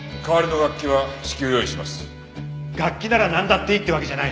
楽器ならなんだっていいってわけじゃない。